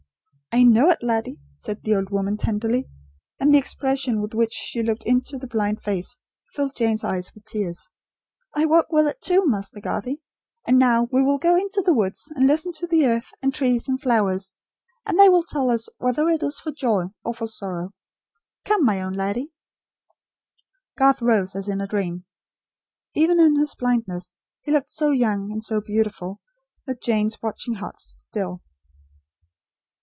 "I know it, laddie," said the old woman, tenderly; and the expression with which she looked into the blind face filled Jane's eyes with tears. "I woke with it too, Master Garthie; and now we will go into the woods, and listen to the earth, and trees, and flowers, and they will tell us whether it is for joy, or for sorrow. Come, my own laddie." Garth rose, as in a dream. Even in his blindness he looked so young, and so beautiful, that Jane's watching heart stood still.